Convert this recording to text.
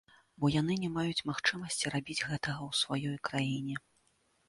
Бо яны не маюць магчымасці рабіць гэтага ў сваёй краіне.